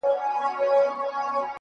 درد چي په دردونو کي راونغاړه~